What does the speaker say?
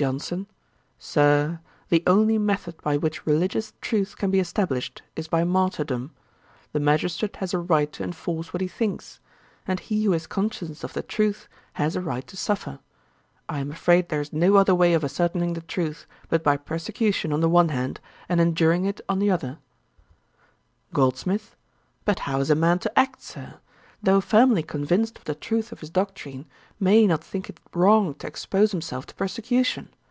JOHNSON. 'Sir, the only method by which religious truth can be established is by martyrdom. The magistrate has a right to enforce what he thinks; and he who is conscious of the truth has a right to suffer. I am afraid there is no other way of ascertaining the truth, but by persecution on the one hand and enduring it on the other.' GOLDSMITH. 'But how is a man to act, Sir? Though firmly convinced of the truth of his doctrine, may he not think it wrong to expose himself to persecution?